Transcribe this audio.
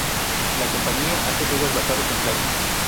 La compañía hace juegos basados en Flash.